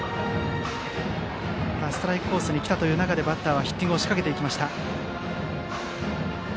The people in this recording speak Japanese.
ストライクコースに来たので、バッターはヒッティングを仕掛けていきました。